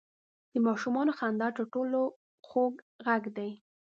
• د ماشومانو خندا تر ټولو خوږ ږغ دی.